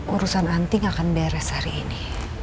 urusan anting akan beres hari ini